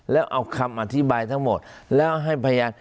แล้วเอาคำอธิบายทั้งหมดแล้วให้พยาน